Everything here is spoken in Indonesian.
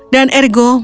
dan ergo mulai makan